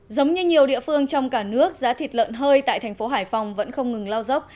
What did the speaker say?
giống như nhiều địa phương trong cả nước giá thịt lợn hơi tại thành phố hải phòng vẫn không ngừng lao dốc